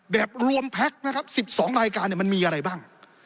รวมแพ็คนะครับ๑๒รายการเนี่ยมันมีอะไรบ้าง